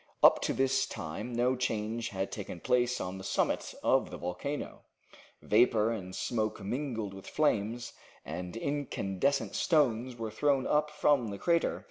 Up to this time no change had taken place on the summit of the volcano. Vapor and smoke mingled with flames and incandescent stones were thrown up from the crater.